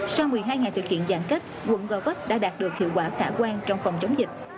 sau một mươi hai ngày thực hiện giãn cách quận gò vấp đã đạt được hiệu quả khả quan trong phòng chống dịch